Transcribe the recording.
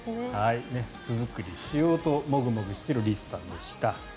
巣作りしようとモグモグしているリスさんでした。